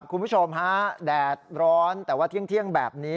คุณผู้ชมฮะแดดร้อนแต่ว่าเที่ยงแบบนี้